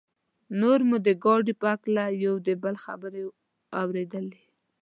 نور مو د ګاډي په هکله یو د بل خبرې اورېدلې.